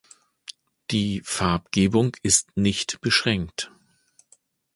Die Farbgebung ist nicht beschränkt.